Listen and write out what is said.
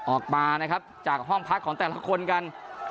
ออกมานะครับจากห้องพักของแต่ละคนกัน